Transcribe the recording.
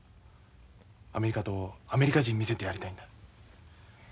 アメリカとアメリカ人見せてやりたいんだ。